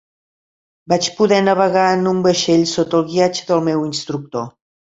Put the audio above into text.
Vaig poder navegar en un vaixell, sota el guiatge del meu instructor.